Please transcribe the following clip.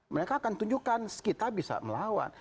mereka akan tunjukkan kita bisa melawan